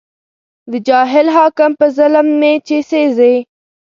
د جاهل حاکم په ظلم مې چې سېزې